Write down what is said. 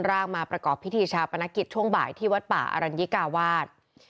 มาประกอบพิธีชาปนกิจช่วงบ่ายที่วัดป่าอรัญญิกาวาส